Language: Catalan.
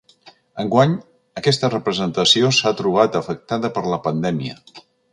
Enguany, aquesta representació s’ha trobat afectada per la pandèmia.